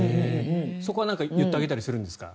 そこは何か言ってあげたりするんですか？